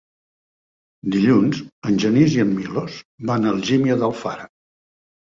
Dilluns en Genís i en Milos van a Algímia d'Alfara.